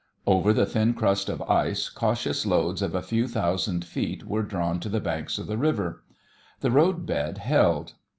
Over the thin crust of ice cautious loads of a few thousand feet were drawn to the banks of the river. The road bed held.